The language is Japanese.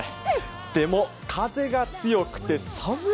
でも、風が強くて寒い！